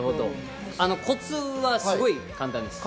コツはすごい簡単です。